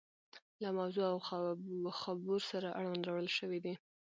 له موضوع او خبور سره اړوند راوړل شوي دي.